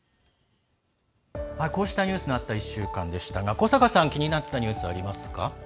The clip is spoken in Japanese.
こうしたニュースがあった１週間でしたが古坂さん、気になったニュースありますか？